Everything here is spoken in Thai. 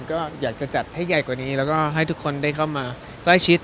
ก็อยากจะจัดให้ใหญ่กว่านี้แล้วก็ให้ทุกคนได้เข้ามาใกล้ชิด